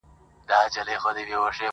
• څه پروین د نیمي شپې څه سپین سبا دی,